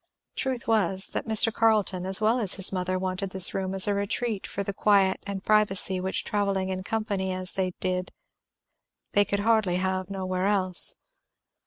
Truth was, that Mr. Carleton as well as his mother wanted this room as a retreat for the quiet and privacy which travelling in company as they did they could have nowhere else.